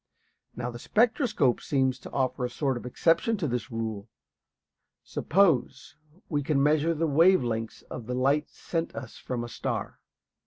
Now the spectroscope seems to offer a sort of exception to this rule. Suppose we can measure the wave lengths of the light sent us from a star.